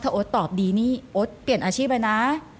โอ๊ตตอบดีนี่โอ๊ตเปลี่ยนอาชีพเลยนะ